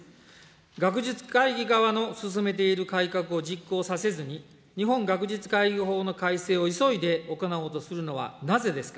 学術会議側の進めている改革を実行させずに、日本学術会議法の改正を急いで行おうとするのはなぜですか。